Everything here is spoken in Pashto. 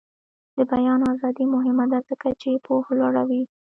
د بیان ازادي مهمه ده ځکه چې پوهه لوړوي.